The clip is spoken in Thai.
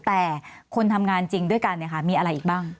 แต่คนทำงานจริงด้วยกันมีอะไรอีกบ้าง